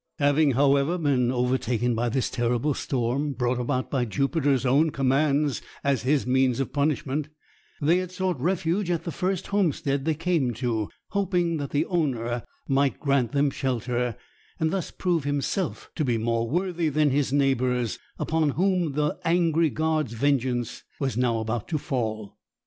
Having, however, been overtaken by this terrible storm, brought about by Jupiter's own commands as his means of punishment, they had sought refuge at the first homestead they came to, hoping that the owner might grant them shelter, and thus prove himself to be more worthy than his neighbours, upon whom the angry god's vengeance was now about to fall.